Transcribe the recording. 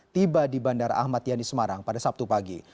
tiba di bandara ahmad yani semarang pada sabtu pagi